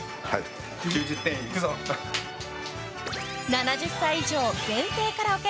７０歳以上限定カラオケ！